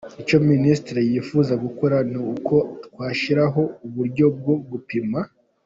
Icyo Minisiteri yifuza gukora, ni uko twashyiraho uburyo bwo gupima.